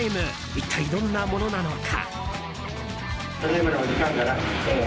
一体どんなものなのか。